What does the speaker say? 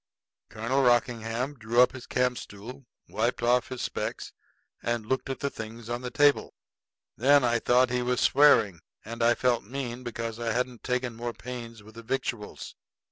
Colonel Rockingham drew up his campstool, wiped off his specs, and looked at the things on the table. Then I thought he was swearing; and I felt mean because I hadn't taken more pains with the victuals.